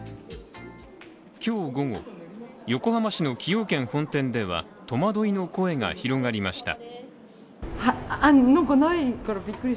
今日午後、横浜市の崎陽軒本店では戸惑いの声が広がりました。